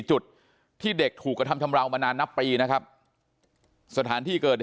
จุดที่เด็กถูกกระทำชำราวมานานนับปีนะครับสถานที่เกิด